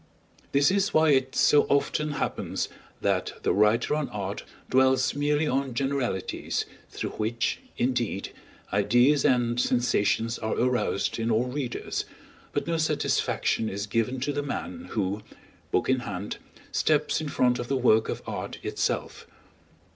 This is why it so often happens that the writer on art dwells merely on generalities, through which, indeed, ideas and sensations are aroused in all readers, but no satisfaction is given to the man who, book in hand, steps in front of the work of art itself.